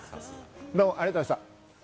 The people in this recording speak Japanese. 阿部さん、ありがとうございました。